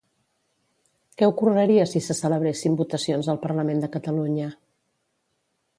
Què ocorreria si se celebressin votacions al Parlament de Catalunya?